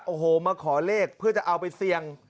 โอ้โหมาขอเลขเพื่อจะเอาไปเสี่ยง